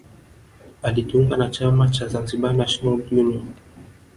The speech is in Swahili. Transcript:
Alijiunga na chama cha Zanzibar National Union